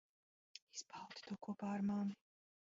Izbaudi to kopā ar mani.